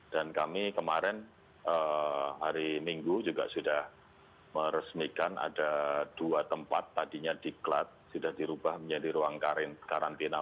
dan kami kemarin hari minggu juga sudah meresmikan ada dua tempat tadinya di klat sudah dirubah menjadi ruang karantina